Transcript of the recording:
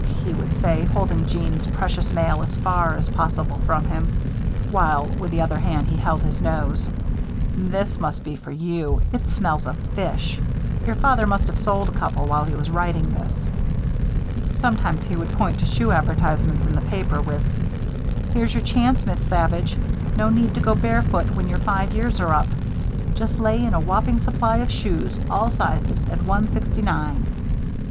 he would say, holding Jeanne's precious mail as far as possible from him, while, with the other hand, he held his nose, "this must be for you it smells of fish. Your father must have sold a couple while he was writing this." Sometimes he would point to shoe advertisements in the papers, with: "Here's your chance, Miss Savage. No need to go barefoot when your five years are up. Just lay in a whopping supply of shoes, all sizes, at one sixty nine."